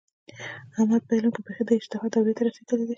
احمد په علم کې بیخي د اجتهاد دورې ته رسېدلی دی.